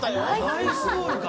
ライスボールか！